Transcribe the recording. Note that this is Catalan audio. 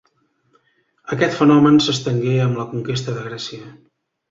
Aquest fenomen s'estengué amb la conquesta de Grècia.